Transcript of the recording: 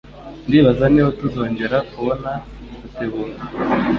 Ndibaza niba tuzongera kubona Rutebuka.